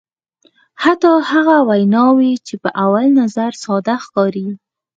حتی هغه ویناوی چې په اول نظر ساده ښکاري.